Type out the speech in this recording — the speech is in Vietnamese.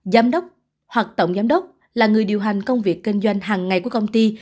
giám đốc hoặc tổng giám đốc là người điều hành công việc kinh doanh hàng ngày của công ty